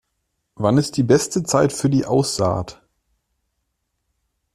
Wann ist die beste Zeit für die Aussaht?